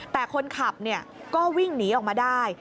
แต่คนขับก็วิ่งหนีออกมาได้